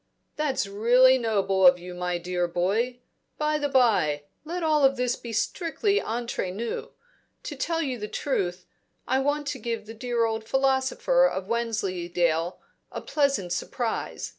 "That's really noble of you, my dear boy By the bye, let all this be very strictly entre nous. To tell you the truth. I want to give the dear old philosopher of Wensleydale a pleasant surprise.